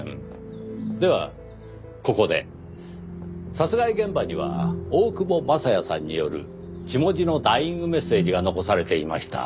殺害現場には大久保雅也さんによる血文字のダイイングメッセージが残されていました。